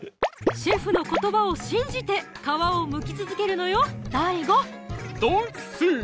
シェフの言葉を信じて皮をむき続けるのよＤＡＩＧＯ！